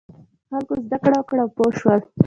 خلکو زده کړه وکړه او پوه شول.